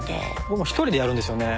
僕は１人でやるんですよね。